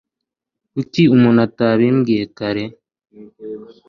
Kuki umuntu atabimbwiye kare?